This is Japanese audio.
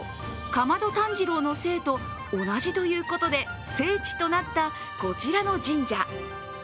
竈門炭治郎の姓と同じということで聖地となったこちらの神社。